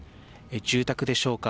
住宅でしょうか。